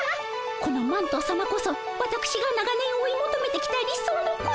このマントさまこそわたくしが長年追いもとめてきた理想の恋のお相手。